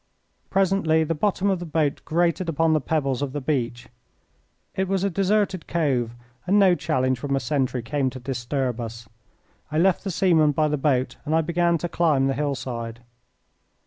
Presently the bottom of the boat grated upon the pebbles of the beach. It was a deserted cove, and no challenge from a sentry came to disturb us. I left the seaman by the boat and I began to climb the hillside.